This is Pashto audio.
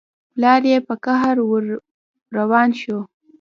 پلار يې په قهر ور روان شو.